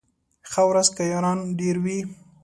ښه ورځ کي ياران ډېر وي